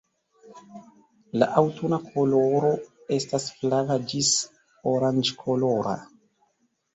La aŭtuna koloro estas flava ĝis oranĝkolora.